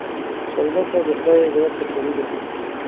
سوالګر ته د خدای عبادت تسلي ده